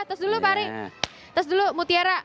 terus dulu mutiara